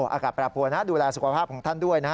อากาศแปรปรวนนะดูแลสุขภาพของท่านด้วยนะฮะ